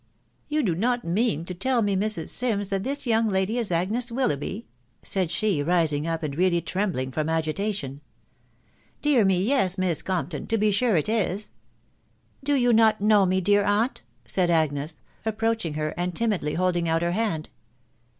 " You do not mean to tell me, Mrs. Sims, that this young lady is Agnes Willoughby ?" said she, rising up, and really trembling from agitation. Dear me, yes, Miss Compton, to be sure it is." Do you not know me, dear aunt ?" said Agnes, approach ing her, and timidly holding out her hand.